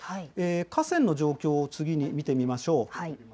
河川の状況を次に見てみましょう。